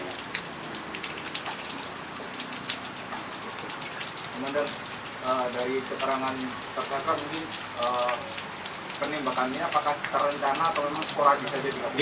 menter dari keterangan tersebut penembakannya apakah terencana atau memang sekolah bisa jadi